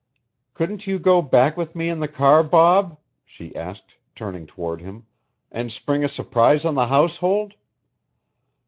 "Couldn't you go back with me in the car, Bob," she asked turning toward him, "and spring a surprise on the household?